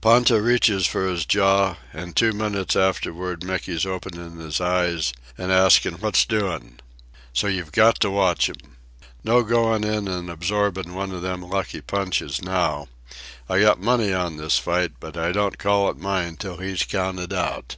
Ponta reaches for his jaw, an two minutes afterward Mickey's openin' his eyes an' askin' what's doin'. So you've got to watch 'm. No goin' in an' absorbin' one of them lucky punches, now. I got money on this fight, but I don't call it mine till he's counted out."